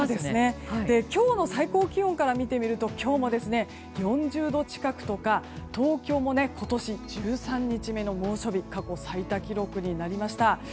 今日の最高気温から見てみると今日は４０度近くとか東京も今年１３日目の猛暑日過去最多記録になりました。